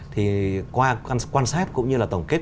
thì qua quan sát cũng như là tổng kết